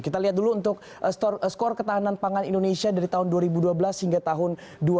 kita lihat dulu untuk skor ketahanan pangan indonesia dari tahun dua ribu dua belas hingga tahun dua ribu dua puluh